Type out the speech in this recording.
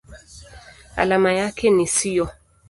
Alama yake ni SiO.